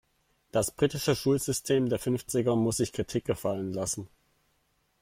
Das britische Schulsystem der Fünfziger muss sich Kritik gefallen lassen.